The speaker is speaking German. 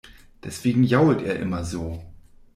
Deswegen jault er immer so.